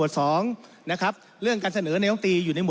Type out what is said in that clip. ท่านประธานก็เป็นสอสอมาหลายสมัย